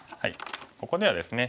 ここではですね